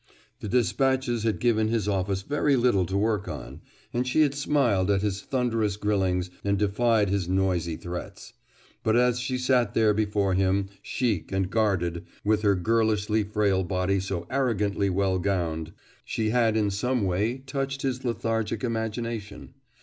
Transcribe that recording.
The despatches had given his office very little to work on, and she had smiled at his thunderous grillings and defied his noisy threats. But as she sat there before him, chic and guarded, with her girlishly frail body so arrogantly well gowned, she had in some way touched his lethargic imagination.